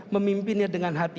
memimpinnya dengan hati